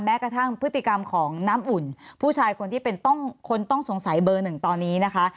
กระทั่งพฤติกรรมของน้ำอุ่นผู้ชายคนที่เป็นคนต้องสงสัยเบอร์หนึ่งตอนนี้นะคะ